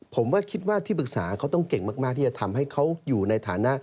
ผมว่าคิดว่าที่ปรึกษาเขาต้องเก่งมากที่จะทำให้เขาอยู่ในฐานะ